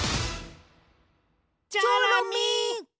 チョロミー。